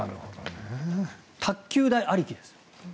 卓球台ありきですよ。